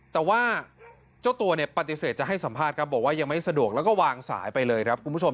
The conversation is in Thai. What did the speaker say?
แต่ว่าเจ้าตัวเนี่ยปฏิเสธจะให้สัมภาษณ์ครับบอกว่ายังไม่สะดวกแล้วก็วางสายไปเลยครับคุณผู้ชม